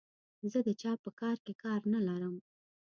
زه د چا په کار کې کار نه لرم.